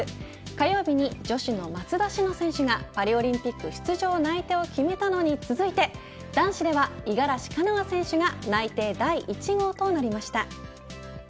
火曜日に女子の松田詩野選手がパリオリンピック出場内定を決めたのに続いて男子では五十嵐カノア選手が内定第１号となりました。